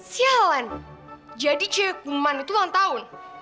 sialan jadi cewek umman itu orang tahun